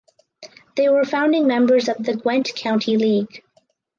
They were founding members of the Gwent County League.